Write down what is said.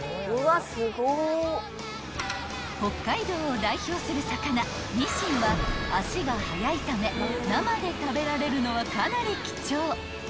［北海道を代表する魚にしんは足が早いため生で食べられるのはかなり貴重］